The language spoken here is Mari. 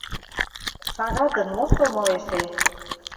Шагатын мо сомыл эше?